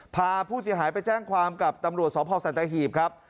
พาผู้เสียหายไปแจ้งความกับตำรวจสพสัตหีบครับ